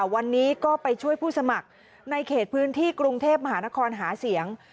วันนี้ก็ไปช่วยผู้สมัครในเขตพื้นที่กรุงเทพมหานครหาเสียง